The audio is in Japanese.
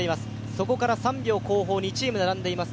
そこから３秒後方に２チームが並んでいます。